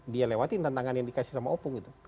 dia lewatin tantangan yang dikasih sama opung gitu